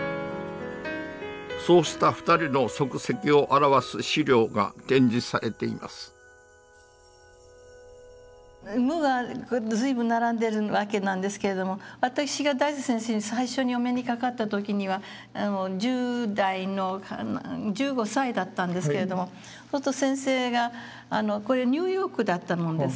そうした二人の足跡を表す資料が展示されています「無」が随分並んでるわけなんですけれども私が大拙先生に最初にお目にかかった時には１０代の１５歳だったんですけれどもそうすると先生がこれニューヨークだったもんですからね